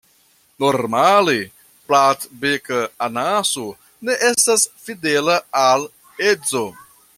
Normale Platbeka anaso ne estas fidela al edzo.